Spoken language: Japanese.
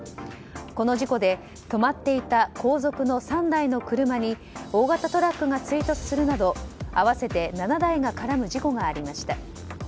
この事故で止まっていた後続の３台の車に大型トラックが追突するなど合わせて７台が絡む事故がありました。